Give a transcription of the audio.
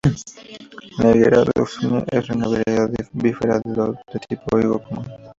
La higuera 'Dauphine' es una variedad "bífera" de tipo higo común.